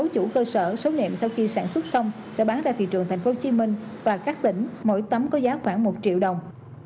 và các tỉnh mỗi tấm có giá khoảng một triệu đồng